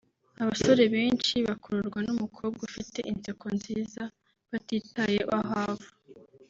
Abasore benshi bakururwa n’umukowa ufite inseko nziza batitaye aho ava